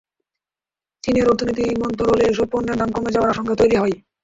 চীনের অর্থনীতি মন্থর হলে এসব পণ্যের দাম কমে যাওয়ার আশঙ্কা তৈরি হয়।